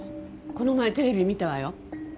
この前テレビ見たわよ。